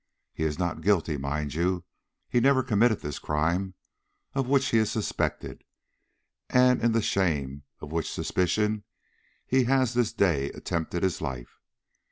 He is not guilty, mind you; he never committed this crime of which he is suspected, and in the shame of which suspicion he has this day attempted his life.